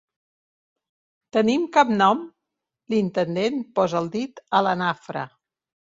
Tenim cap nom? —l'intendent posa el dit a la nafra.